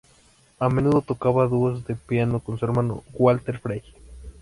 A menudo tocaba dúos de piano con su hermano Walter Frey.